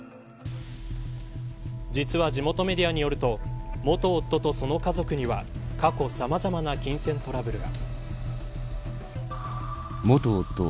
実は地元メディアによると元夫とその家族には過去さまざまな金銭トラブルが。